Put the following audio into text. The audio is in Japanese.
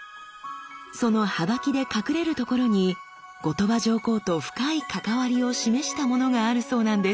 そのはばきで隠れるところに後鳥羽上皇と深い関わりを示したものがあるそうなんです。